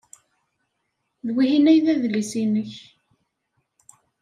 D wihin ay d adlis-nnek.